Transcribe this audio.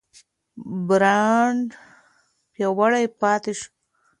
برانډ پیاوړی پاتې شو.